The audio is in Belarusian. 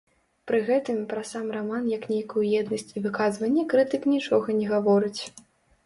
Пры гэтым пра сам раман як нейкую еднасць і выказванне крытык нічога не гаворыць.